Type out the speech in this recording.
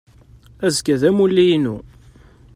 Azekka d amulli-inu.